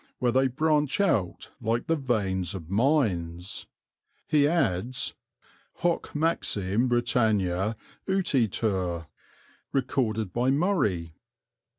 where they branch out like the veins of mines." He adds "Hoc maxime Britannia utitur" (Murray).